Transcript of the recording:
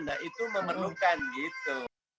nah itu memerlukan gitu